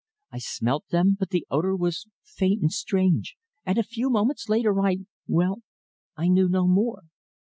I smelt them, but the odour was faint and strange, and a few moments later I well, I knew no more."